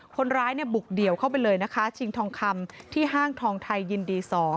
คนร้ายเนี่ยบุกเดี่ยวเข้าไปเลยนะคะชิงทองคำที่ห้างทองไทยยินดี๒